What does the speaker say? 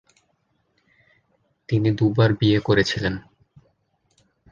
তিনি দুবার বিয়ে করেছিলেন।